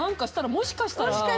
もしかしたらね。